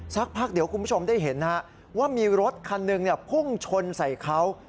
สักพักเดี๋ยวคุณผู้ชมได้เห็นว่ามีรถคันหนึ่งพุ่งชนใส่เขา